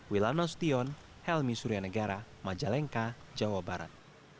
wilanostion helmi suryanegara majalengka jawa barat